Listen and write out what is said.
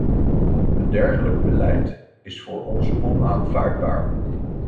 Een dergelijk beleid is voor ons onaanvaardbaar.